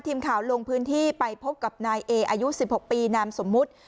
ทีมข่าวลงพื้นที่ไปพบกับนายเออายุ๑๖ปีนามสมมุติ